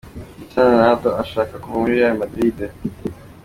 Cristiano Ronaldo "arashaka kuva" muri Real Madrid.